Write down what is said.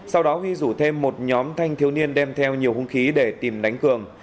sau đó huy rủ thêm một nhóm thanh thiếu niên đem theo nhiều hung khí để tìm đánh cường